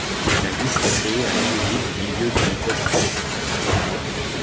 La liste est créée à l'origine au milieu de l'époque d'Edo.